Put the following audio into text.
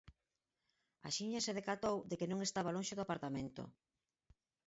Axiña se decatou de que non estaba lonxe do apartamento.